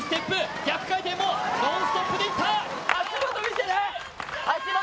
逆回転もノンストップでいった。